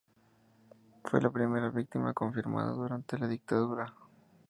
Fue la primera víctima confirmada durante la dictadura.